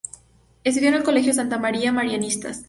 Estudió en el Colegio Santa María Marianistas.